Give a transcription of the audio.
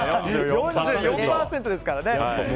４４％ですからね。